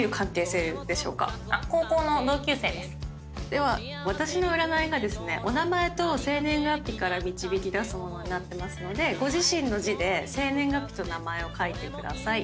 では私の占いがですねお名前と生年月日から導き出すものになってますのでご自身の字で生年月日と名前を書いてください。